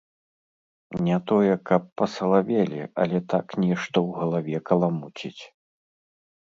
Не тое каб пасалавелі, але так нешта ў галаве каламуціць.